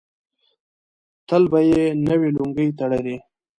تل به یې نوې لونګۍ تړلې.